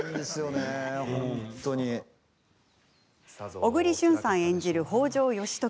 小栗旬さん演じる北条義時。